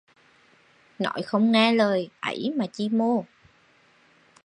Nói không nghe lời, ấy mà chi mô